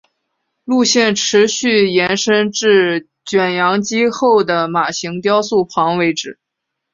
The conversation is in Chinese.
路线持续延伸至卷扬机后的马型雕塑旁为止。